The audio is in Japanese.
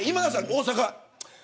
大阪。